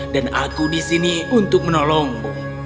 dan aku di sini untuk menolongmu